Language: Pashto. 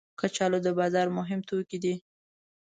کچالو د بازار مهم توکي دي